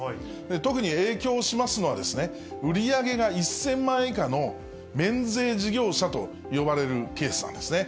特に影響しますのは、売り上げが１０００万円以下の免税事業者と呼ばれるケースなんですね。